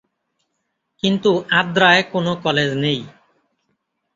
কিন্তু আদ্রায় কোন কলেজ নেই।